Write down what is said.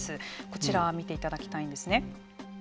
こちら見ていただきたいんですね。